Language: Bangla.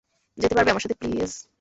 যেত পারবে আমার সাথে, প্লিজ?